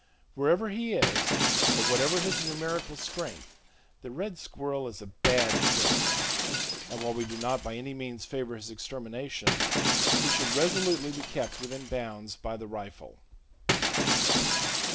Wherever he is or whatever his [Page 80] numerical strength, the red squirrel is a bad citizen, and, while we do not by any means favor his extermination, he should resolutely be kept within bounds by the rifle.